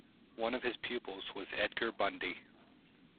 One of his pupils was Edgar Bundy.